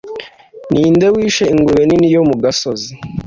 Ninde wishe ingurube nini yo mu gasozi